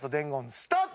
スタート！